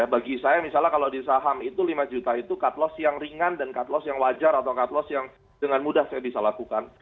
bagi saya misalnya kalau di saham itu lima juta itu cut loss yang ringan dan cut loss yang wajar atau cut loss yang dengan mudah saya bisa lakukan